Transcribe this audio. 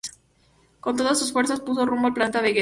Con todas sus fuerzas, puso rumbo al Planeta Vegeta.